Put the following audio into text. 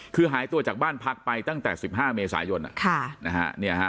คือหายตัวจากบ้านพักไปตั้งแต่สิบห้าเมษายนค่ะนะฮะเนี่ยฮะ